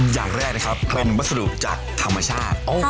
อย่างแรกเป็นบัสดุจากธรรมชาติ